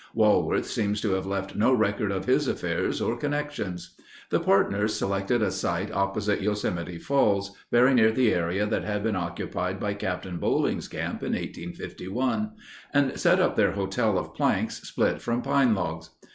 Walworth seems to have left no record of his affairs or connections. The partners selected a site opposite Yosemite Falls, very near the area that had been occupied by Captain Boling's camp in 1851, and set up their hotel of planks split from pine logs.